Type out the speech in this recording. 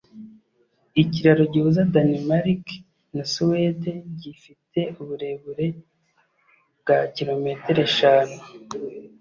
Ikiraro gihuza Danemarke na Suwede gifite uburebure bwa kilometero eshanu